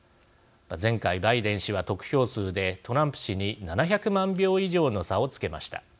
前回、バイデン氏は得票数でトランプ氏に７００万票以上の差をつけました。